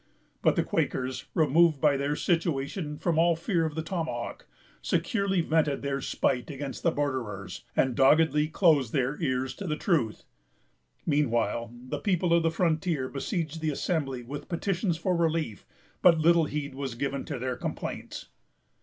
But the Quakers, removed by their situation from all fear of the tomahawk, securely vented their spite against the borderers, and doggedly closed their ears to the truth. Meanwhile, the people of the frontier besieged the Assembly with petitions for relief; but little heed was given to their complaints.